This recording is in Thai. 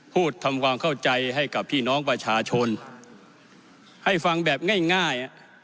พูดทำความเข้าใจให้กับพี่น้องประชาชนให้ฟังแบบง่าย